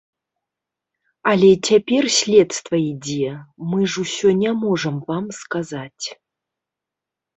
Але цяпер следства ідзе, мы ж усё не можам вам сказаць.